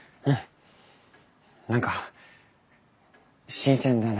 何か新鮮だね。